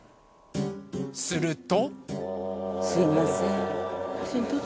すると。